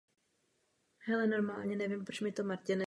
Náhradní díly pro světlomety jsou vyráběny v nedaleké obci Střítež.